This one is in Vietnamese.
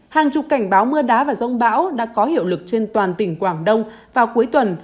hàng chục cảnh báo mưa đá và rông bão đã có hiệu lực trên toàn tỉnh quảng đông vào cuối tuần